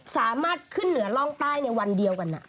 สามารถขึ้นเหนือร่องใต้ในวันเดียวกัน